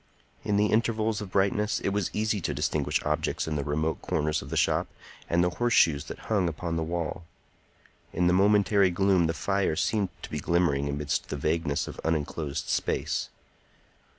In the intervals of brightness it was easy to distinguish objects in remote corners of the shop and the horseshoes that hung upon the wall; in the momentary gloom the fire seemed to be glimmering amidst the vagueness of unenclosed space.